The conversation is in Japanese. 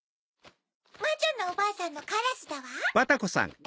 まじょのおばあさんのカラスだわ。